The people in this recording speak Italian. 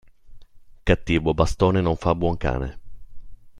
Cattivo bastone non fa buon cane.